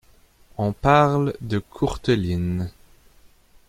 On parle de Courteline !